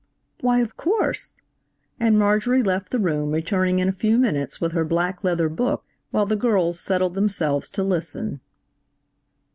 "Why, of course," and Marjorie left the room returning in a few minutes with her black leather book, while the girls settled themselves to listen.